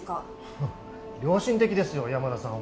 ハハッ良心的ですよ山田さんは。